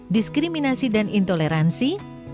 lima diskriminasi dan intoleransi